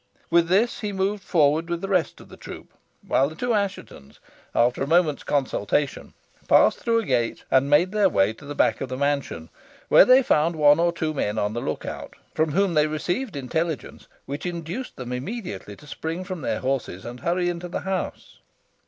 With this he moved forward with the rest of the troop, while the two Asshetons, after a moment's consultation, passed through a gate and made their way to the back of the mansion, where they found one or two men on the look out, from whom they received intelligence, which induced them immediately to spring from their horses and hurry into the house.